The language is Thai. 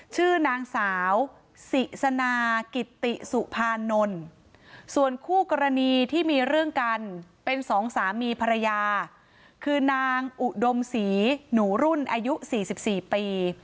ชื่อนางสาวสิสนากิตติสุภานนท์ส่วนคู่กรณีที่มีเรื่องกันเป็นสองสามีภรรยาคือนางอุดมศรีหนูรุ่นอายุ๔๔ปี